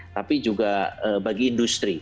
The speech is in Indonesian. tapi juga bagi industri